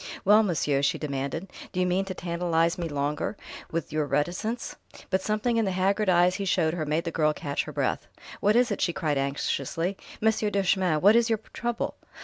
"Well, monsieur?" she demanded. "Do you mean to tantalize me longer with your reticence?" But something in the haggard eyes he showed her made the girl catch her breath. "What is it?" she cried anxiously. "Monsieur Duchemin, what is your trouble?"